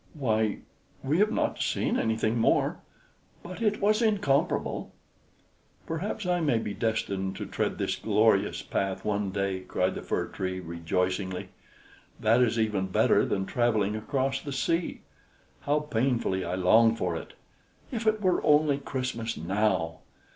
"Why, we have not seen anything more. But it was incomparable." "Perhaps I may be destined to tread this glorious path one day!" cried the Fir Tree, rejoicingly. "That is even better than traveling across the sea. How painfully I long for it! If it were only Christmas now!